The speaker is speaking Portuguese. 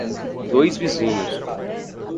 Dois Vizinhos